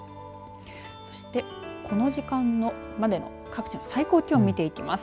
そして、この時間までの各地の最高気温、見ていきます。